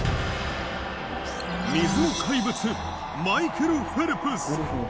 水の怪物、マイケル・フェルプス。